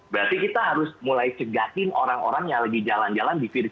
berarti kita harus mulai cegatin orang orang yang lagi jalan jalan di virus